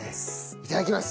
いただきます。